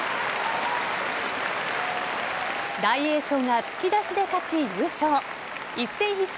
大栄翔が突き出しで勝ち、優勝。